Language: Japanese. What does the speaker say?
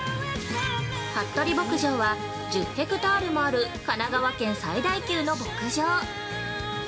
◆服部牧場は１０ヘクタールもある神奈川県最大級の牧場！